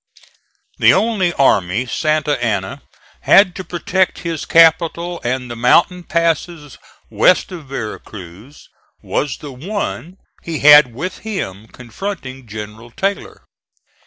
The only army Santa Anna had to protect his capital and the mountain passes west of Vera Cruz, was the one he had with him confronting General Taylor.